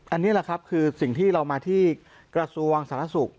อันนี้แหละครับคือสิ่งที่เรามาที่กระทรวงสาธารณสุข